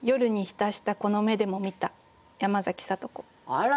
あら！